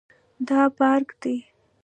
دا پارک دی